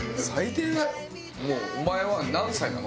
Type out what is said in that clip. もうお前は何歳なの？